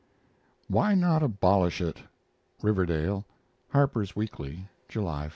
WHY NOT ABOLISH IT? (Riverdale) Harper's Weekly, July 5.